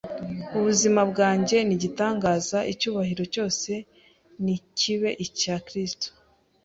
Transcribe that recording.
Ubuzima bwange ni igitangaza, icyubahiro cyose nikibe icya Kristu.